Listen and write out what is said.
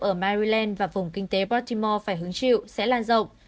ở maryland và vùng kinh tế baltimore phải hứng chịu sẽ lan rộng